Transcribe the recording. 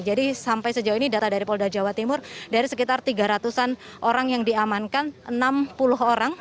jadi sampai sejauh ini data dari polda jawa timur dari sekitar tiga ratus an orang yang diamankan enam puluh orang